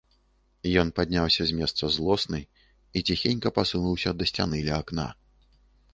Ён падняўся з месца злосны і ціхенька пасунуўся да сцяны ля акна.